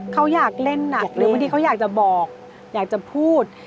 เขาอยากเล่นหนักหรือบางทีเขาอยากจะบอกอยากจะพูด